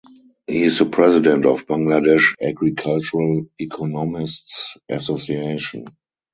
He is the President of Bangladesh Agricultural Economists Association.